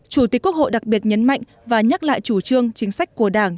chủ tịch quốc hội đặc biệt nhấn mạnh và nhắc lại chủ trương chính sách của đảng